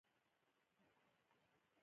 له لاندې د امريکايانو بوغارې پورته وې.